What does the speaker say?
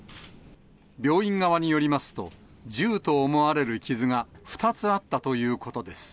病院側によりますと、銃と思われる傷が２つあったということです。